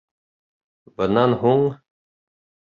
Бынан һуң: